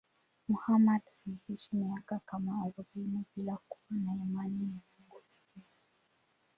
Muhammad aliishi miaka kama arobaini bila kuwa na imani ya Mungu pekee.